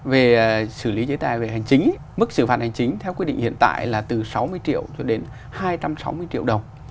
về xử lý chế tài về hành chính mức xử phạt hành chính theo quy định hiện tại là từ sáu mươi triệu cho đến hai trăm sáu mươi triệu đồng